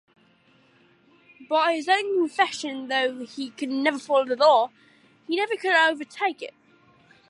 By his own confession, though he followed the law, he never could 'overtake' it.